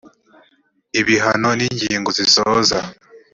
ibihano n ingingo zisoza